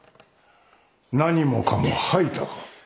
何もかも吐いたか？